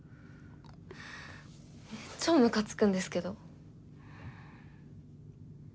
超ムカつくんですけど。